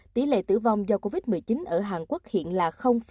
tỷ lệ tử vong do covid một mươi chín ở hàn quốc hiện là một mươi sáu